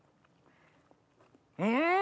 うん！